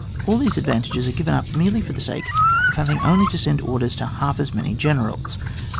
All these advantages are given up merely for the sake of hav ing only to send orders to half as many generals.